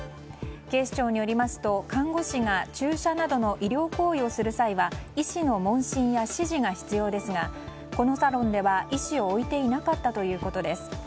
警視庁によりますと看護師が注射などの医療行為をする際は医師の問診や指示が必要ですがこのサロンでは、医師を置いていなかったということです。